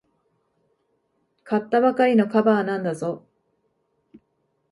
買ったばかりのカバーなんだぞ。